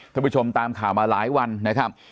ท่านผู้ชมตามข่าวมาหลายวันนะครับ